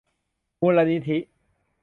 มูลนิธิ